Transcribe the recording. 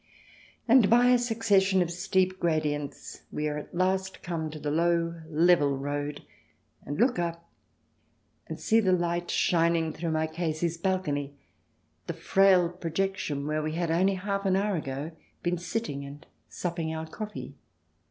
And by a succession of steep gradients we at last come to the low, level road, and look up and see the light shining through Marchesi's balcony, the frail projection where we had, only half an hour ago, been sitting and supping our coffee.